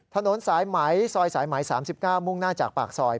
ถนนสายไหมซอยสายไหม๓๙มุ่งหน้าจากปากซอย